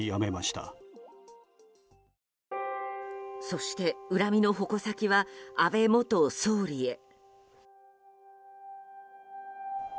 そして、恨みの矛先は安倍元総理へ。